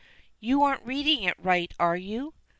"You aren't reading it right, are you?"